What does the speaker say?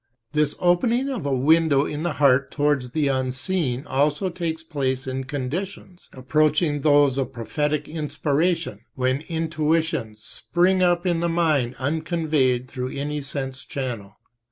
This opening of a window in the heart towards the unseen also takes place in conditions. approaching those of prophetic inspiration, when intuitions spring up in the mind unconveyed through any sense channel.